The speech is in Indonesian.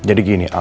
jadi gini al